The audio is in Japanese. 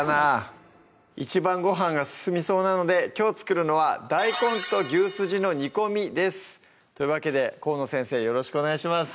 一番ごはんが進みそうなのできょう作るのは「大根と牛すじの煮込み」ですというわけで河野先生よろしくお願いします